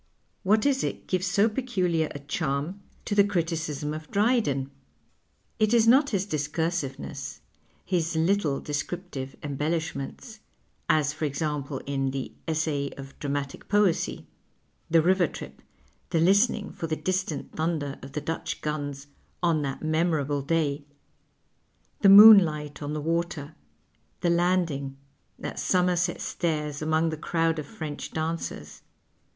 What is it gives so peculiar a charm to the criticism of V2o PASTICHE AND PREJUDICE Drydcn ? Is it not his discursiveness, his httle descriptive embellishments — as, for example, in the " Essay of Dramatic Poesy," the river trip, the listening for the distant thnnder of the Dutch guns "on that memorable day," the moonlight on the water, the landing at Somerset Stairs among the crowd of French dancers